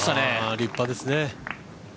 立派ですね。